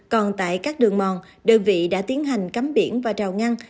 còn tại các đường mòn đơn vị đã tiến hành cắm biển và rào ngăn